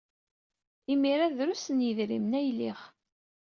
Imir-a, drus n yidrimen ay liɣ.